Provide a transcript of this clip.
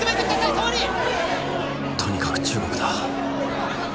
総理とにかく中国だ